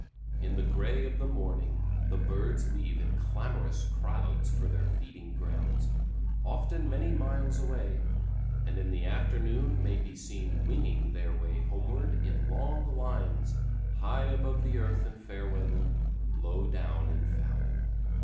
In the gray of the morning the birds leave in clamorous crowds for their feeding grounds, often many miles away, and in the afternoon may be seen winging their way homeward in long lines, high above the earth in fair weather, low down in foul.